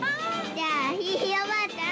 ◆じゃあ、ひいひいおばあちゃん？